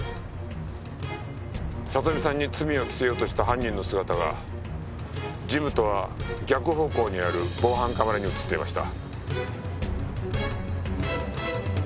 里美さんに罪を着せようとした犯人の姿がジムとは逆方向にある防犯カメラに映っていました。